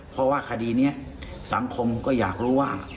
เพราะว่าคดีนี้สังคมก็อยากรู้ว่า